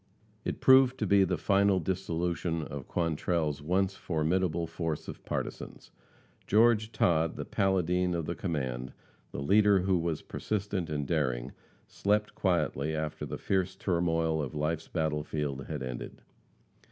It proved to be the final dissolution of Quantrell's once formidable force of partisans. George Todd, the Paladine of the command, the leader who was persistent and daring, slept quietly after the fierce turmoil of life's battlefield had ended.